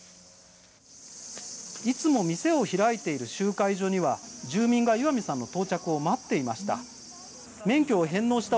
いつもお店を開いている集会所には住民が岩見さんの到着を待っていました。